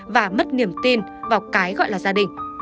và mất niềm tin vào cái gọi là gia đình